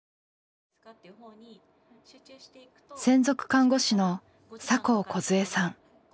専属看護師の酒匂こず枝さん。